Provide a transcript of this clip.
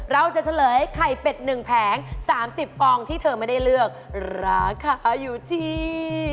เฉลยไข่เป็ด๑แผง๓๐ฟองที่เธอไม่ได้เลือกราคาอยู่ที่